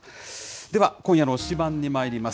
では、今夜の推しバン！にまいります。